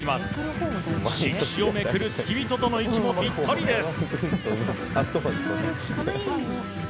色紙をめくる付き人との息もぴったりです。